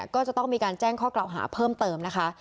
ก็จะต้องมีการแจ้งข้อกล่าวหาเพิ่มเติมนะคะ